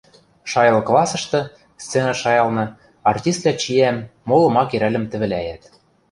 Шайыл классышты, сцена шайылны, артиствлӓ чиӓм, молы ма керӓлӹм тӹвӹлӓйӓт.